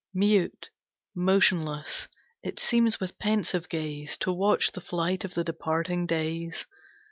Mute, motionless, it seems with pensive gaze To watch the flight of the departing days.